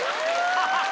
ハハハハ。